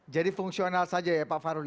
jadi fungsional saja ya pak fahru